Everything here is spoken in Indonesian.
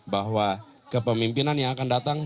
bahwa kepemimpinan yang akan datang